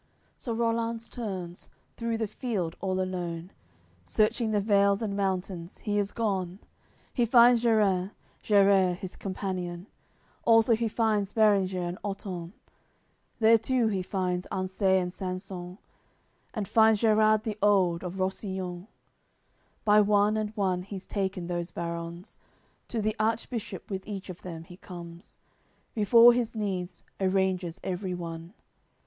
CLXII So Rollanz turns; through the field, all alone, Searching the vales and mountains, he is gone; He finds Gerin, Gerers his companion, Also he finds Berenger and Otton, There too he finds Anseis and Sanson, And finds Gerard the old, of Rossillon; By one and one he's taken those barons, To the Archbishop with each of them he comes, Before his knees arranges every one.